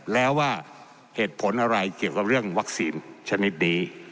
แล้วว่าเหตุผลอะไรเกี่ยวกับเรื่องวัคซีนชนิดนี้